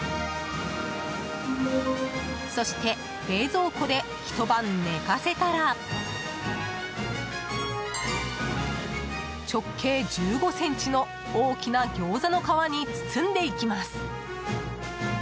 そして、冷蔵庫でひと晩寝かせたら直径１５ｃｍの、大きなギョーザの皮に包んでいきます。